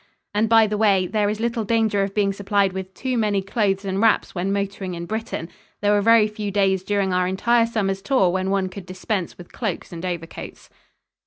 And, by the way, there is little danger of being supplied with too many clothes and wraps when motoring in Britain. There were very few days during our entire summer's tour when one could dispense with cloaks and overcoats.